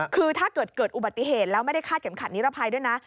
คือถ้าเกิดเกิดอุบัติเหตุแล้วไม่ได้คาดเข็มขัดนิรภัยด้วยนะ